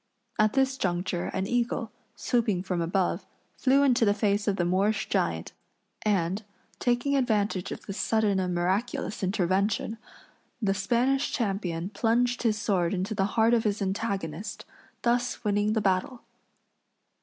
At this juncture an eagle, swooping from above, flew into the face of the Moorish giant, and, taking advantage of this sudden and miraculous intervention, the Spanish champion plunged his sword into the heart of his antagonist, thus winning the battle.